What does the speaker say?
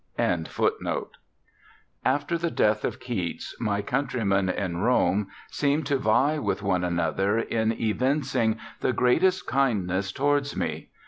] After the death of Keats, my countrymen in Rome seemed to vie with one another in evincing the greatest kindness towards me.